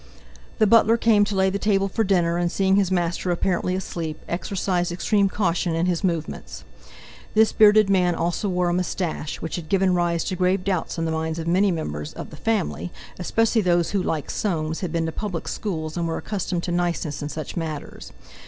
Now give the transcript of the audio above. The butler came to lay the table for dinner, and seeing his master apparently asleep, exercised extreme caution in his movements. This bearded man also wore a moustache, which had given rise to grave doubts in the minds of many members—of the family—, especially those who, like Soames, had been to public schools, and were accustomed to niceness in such matters.